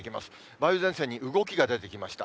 梅雨前線に動きが出てきました。